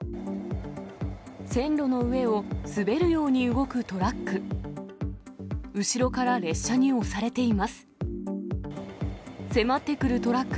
線路の上を滑るように動くトラック。